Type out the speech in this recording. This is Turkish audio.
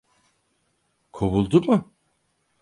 Kovuldu mu?